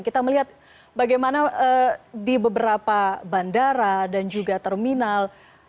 kita melihat bagaimana di beberapa bandara dan juga terminal